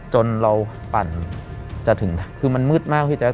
จนเราปั่นจะถึงคือมันมืดมากพี่แจ๊